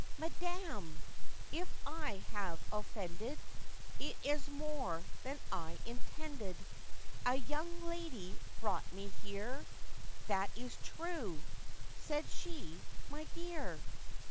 'Madam! if I have offended, It is more than I intended; A young lady brought me here:'— 'That is true,' said she, 'my dear.